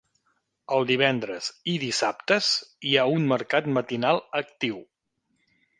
El divendres i dissabtes hi ha un mercat matinal actiu.